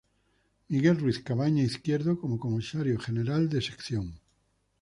Miguel Ruiz-Cabañas Izquierdo como Comisario General de Sección.